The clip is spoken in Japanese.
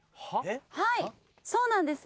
はいそうなんです。